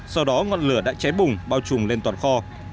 sau đó ngọn lửa đã cháy bùng bao trùm lên toàn kho